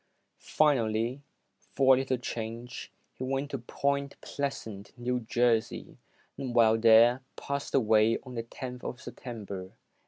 Finally, for a little change, he went to Point Pleasant, New Jersey, and while there, passed away on the tenth of September, 1898.